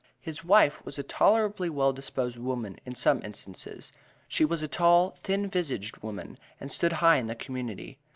His wife was a tolerably well disposed woman in some instances she was a tall, thin visaged woman, and stood high in the community.